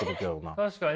確かにね。